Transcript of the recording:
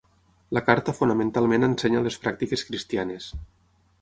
La carta fonamentalment ensenya les pràctiques cristianes.